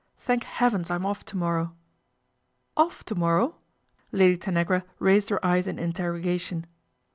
" Thank heavens I'm off to morrow." " Off to morrow ?" Lady Tanagra raised her eyes in interrogation.